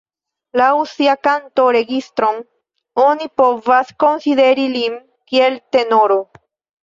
Laŭ sia kanto-registron, oni povas konsideri lin kiel tenoro.